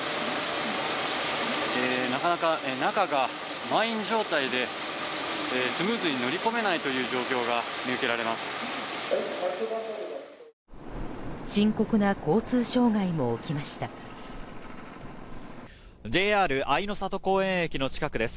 なかなか、中が満員状態でスムーズに乗り込めない状況が見受けられます。